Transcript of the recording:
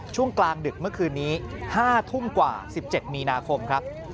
ช่วงกลางดึกเมื่อคืนนี้๕ทุ่มกว่า๑๗มีนาคมครับ